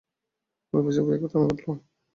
কুড়ি বছর পর এই ঘটনা ঘটল।